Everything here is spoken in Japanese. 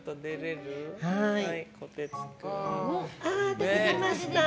出てきました！